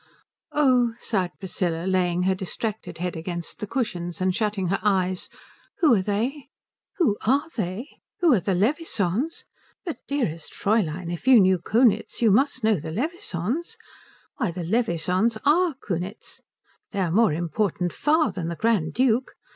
"Oh," sighed Priscilla, laying her distracted head against the cushions and shutting her eyes, "who are they?" "Who are they? Who are the Levisohns? But dearest Fräulein if you know Kunitz you must know the Levisohns. Why, the Levisohns are Kunitz. They are more important far than the Grand Duke.